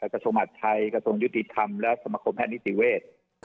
กระทรวงหัดไทยกระทรวงยุติธรรมและสมคมแพทย์นิติเวศ